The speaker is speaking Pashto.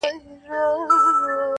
• انتظار به د سهار کوو تر کومه..